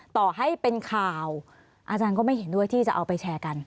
ต่อให้เป็นข่าวอาจารย์ก็ไม่เห็นด้วยที่จะเอาไปแชร์กัน